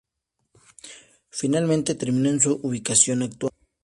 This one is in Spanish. Finalmente terminó en su ubicación actual